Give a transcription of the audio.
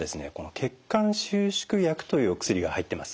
血管収縮薬というお薬が入ってます。